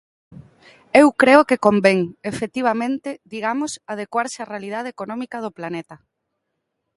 Eu creo que convén, efectivamente, digamos, adecuarse á realidade económica do planeta.